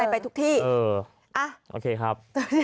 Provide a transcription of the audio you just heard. ไปทุกที่เอออ่ะครับ